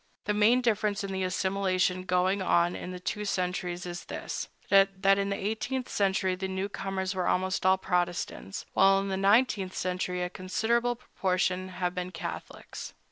The main difference in the assimilation going on in the two centuries is this, that in the eighteenth century the newcomers were almost all Protestants, while in the nineteenth century a considerable proportion have been Catholics.